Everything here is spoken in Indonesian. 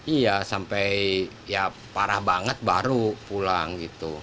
iya sampai ya parah banget baru pulang gitu